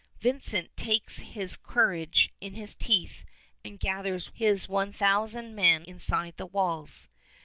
Vincent takes his courage in his teeth and gathers his one thousand men inside the walls.